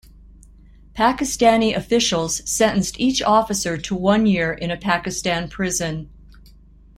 Pakistani officials sentenced each officer to one year in a Pakistan prison.